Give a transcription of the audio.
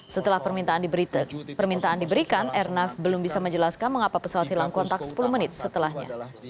setelah permintaan diberikan airnav belum bisa menjelaskan mengapa pesawat hilang kontak sepuluh menit setelahnya